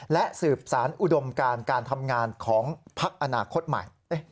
และสืบสารอุดมการการทำงานของพักอนาคตใหม่